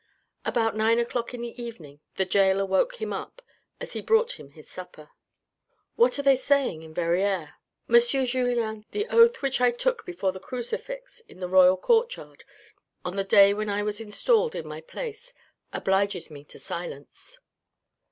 About 9 o'clock in the evening the gaoler woke him up as he brought in his supper. " What are they saying in Verrieres ?"" M. Julien, the oath which I took before the crucifix in the ' Royal Courtyard,' on the day when I was installed in my place, obliges me to silence."